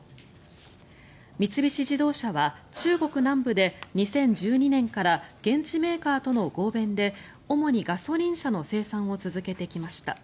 三菱自動車は中国南部で２０１２年から現地メーカーとの合弁で主にガソリン車の生産を続けてきました。